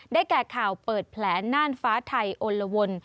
แก่ข่าวเปิดแผลน่านฟ้าไทยโอละวน